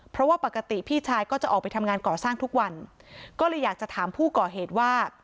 เพราะว่าปกติพี่ชายก็จะออกไปทำงานก่อสร้างทุกวันก็เลยอยากจะถามผู้ก่อเหตุว่า